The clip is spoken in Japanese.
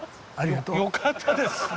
よかったですね。